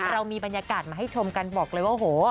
เรามีบรรยากาศมาให้ชมกันบอกเลยว่าโห